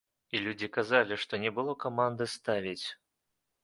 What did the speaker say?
І людзі казалі, што не было каманды ставіць.